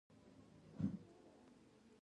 هوښیاري په مطالعې کې ده